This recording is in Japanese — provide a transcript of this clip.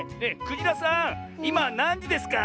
クジラさんいまなんじですか？